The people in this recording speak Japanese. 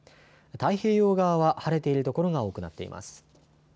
太平洋側は晴れている所が多くなっています。